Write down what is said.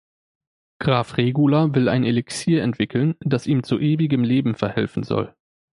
Graf Regula will ein Elixier entwickeln, das ihm zu ewigem Leben verhelfen soll.